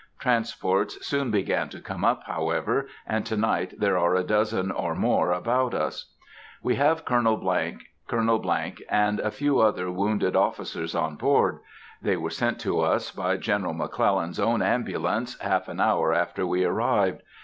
Transports soon began to come up, however, and to night there are a dozen or more about us. We have Colonel ——, Colonel ——, and a few other wounded officers on board. They were sent to us by General McClellan's own ambulance, half an hour after we arrived.